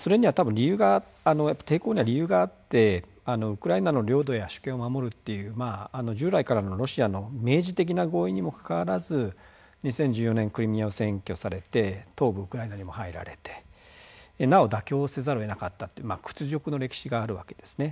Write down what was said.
抵抗には理由があってウクライナの領土や主権を守るという従来からのロシアの明示的な合意にもかかわらず２０１４年クリミアは占拠されて東部ウクライナにも入られてなお妥協せざるをえなかったって屈辱の歴史があるわけですね。